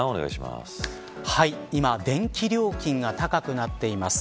今、電気料金が高くなっています。